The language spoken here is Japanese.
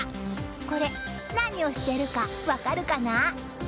これ、何をしているか分かるかな？